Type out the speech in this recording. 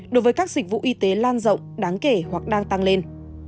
đối với các dịch vụ y tế lan rộng đáng kể hoặc đang tăng lên